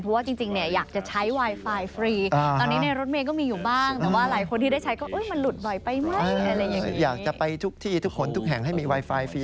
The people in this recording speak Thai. เพราะว่าจริงอยากจะใช้ไวไฟฟรี